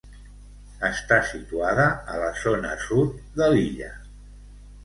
Està situada a la zona sud de l'illa.